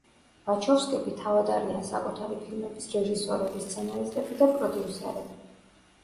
ვაჩოვსკები თავად არიან საკუთარი ფილმების რეჟისორები, სცენარისტები და პროდიუსერები.